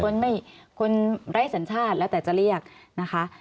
คนไร้สัญชาติแล้วแต่จะเรียกนะคะ